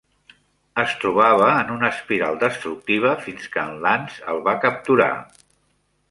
Es trobava en una espiral destructiva fins que en Lance el va capturar.